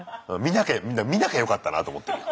見なきゃよかったなと思ってるよ。